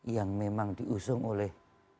yang memang diusung oleh